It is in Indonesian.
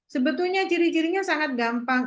sebetulnya ciri cirinya sangat gampang